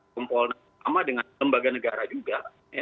kompolnas sama dengan lembaga negara juga